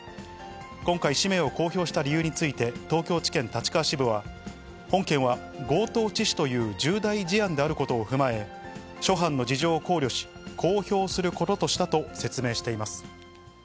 今回、氏名を公表した理由について、東京地検立川支部は、本件は強盗致死という重大事案であることを踏まえ、諸般の事情を考慮し、公表することとしたと説明しています。